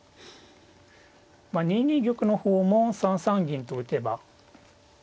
２二玉の方も３三銀と打てば。